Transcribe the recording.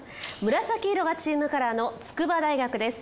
紫色がチームカラーの筑波大学です。